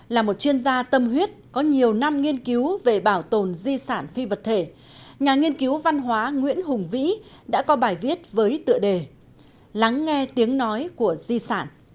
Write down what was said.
là một chuyên gia tâm huyết có nhiều năm nghiên cứu về bảo tồn di sản phi vật thể nhà nghiên cứu văn hóa nguyễn hùng vĩ đã có bài viết với tựa đề lắng nghe tiếng nói của di sản